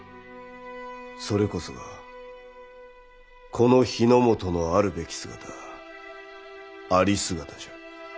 それこそがこの日ノ本のあるべき姿ありすがたじゃ。